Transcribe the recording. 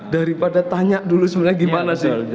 daripada tanya dulu sebenarnya gimana sih